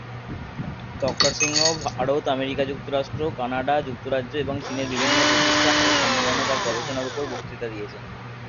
ডঃ Singh Bharat, America যুক্তরাষ্ট্র, Canada, যুক্তরাজ্য এবং চীনের বিভিন্ন প্রতিষ্ঠান ও সম্মেলনে তাঁর গবেষণার উপর বক্তৃতা দিয়েছেন।